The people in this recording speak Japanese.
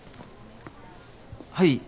はい。